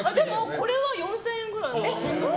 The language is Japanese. これは４０００円くらいで。